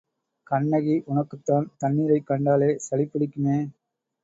கண்ணகி, உனக்குத்தான் தண்ணீரைக் கண்டாலே சளிப் பிடிக்குமே!